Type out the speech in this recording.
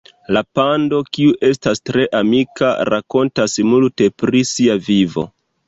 La pando, kiu estas tre amika, rakontas multe pri sia vivo.